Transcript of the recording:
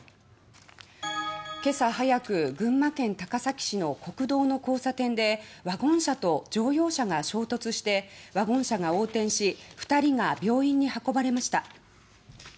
今朝早く群馬県高崎市の国道の交差点でワゴン車と乗用車が衝突してワゴン車が横転し２人が病院に運ばれました。